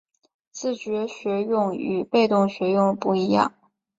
自觉学用与被动学用不一样